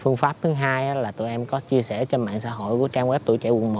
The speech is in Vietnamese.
phương pháp thứ hai là tụi em có chia sẻ trên mạng xã hội của trang web tuổi trẻ quận một